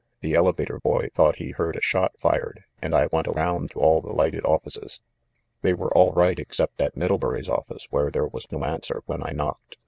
The elevator boy thought he heard a shot fired, and I went around to all the lighted offices. They were all right except at Middle bury's office, where there was no answer when I knocked.